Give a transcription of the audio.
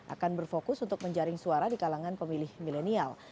akan berfokus untuk menjaring suara di kalangan pemilih milenial